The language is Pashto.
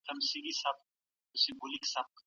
افغانستان له نړیوالو شریکانو سره شفاف معلومات نه شریکوي.